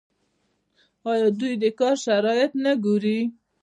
آیا دوی د کار شرایط نه ګوري؟